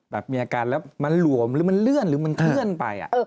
มีอาการแล้วมันหลวมหรือมันเลื่อนหรือมันเคลื่อนไป